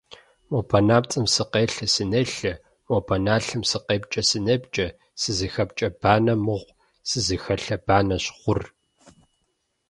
Мо банапцӀэм сыкъелъэ-сынелъэ, мо баналъэм сыкъепкӀэ-сынепкӀэ, сызыхэпкӀэ банэ мыгъу, сызыхэлъэ банэщ гъур.